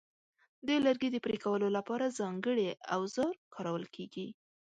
د لرګي د پرې کولو لپاره ځانګړي اوزار کارول کېږي.